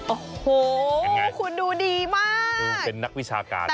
โอ้โหคุณดูดีมากแต่ไม่ดูดีกว่าคุณเป็นนักวิชาการ